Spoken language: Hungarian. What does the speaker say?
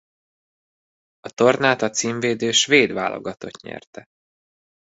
A tornát a címvédő svéd válogatott nyerte.